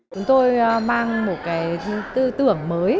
chúng tôi mang một tư tưởng mới